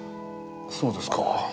そうですか。